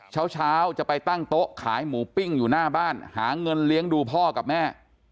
เช้าจะไปตั้งโต๊ะขายหมูปิ้งอยู่หน้าบ้านหาเงินเลี้ยงดูพ่อกับแม่